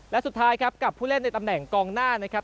และสุดท้ายครับกับผู้เล่นในตำแหน่งกองหน้านะครับ